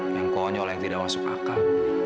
yang konyol yang tidak masuk akal